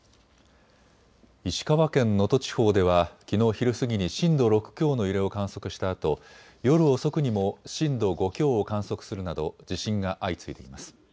石川県能登地方ではきのう昼過ぎに震度６強の揺れを観測したあと、夜遅くにも震度５強を観測するなど地震が相次いでいます。